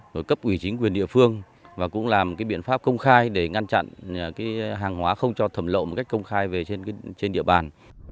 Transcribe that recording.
rồi cấp ủy chính quyền địa phương và cũng làm cái biện pháp công khai để ngăn chặn cái hàng hóa không cho thẩm lộ một cách công khai về trên địa bàn